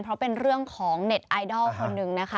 เพราะเป็นเรื่องของเน็ตไอดอลคนหนึ่งนะคะ